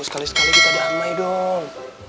sekali sekali kita damai dong